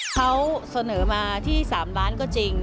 เขาเสนอมาที่๓ล้านก็จริง